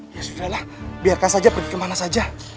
ya sudah lah biarkan saja pergi kemana saja